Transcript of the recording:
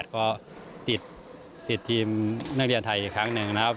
ก็ติดทีมนักเรียนไทยอีกครั้งหนึ่งนะครับ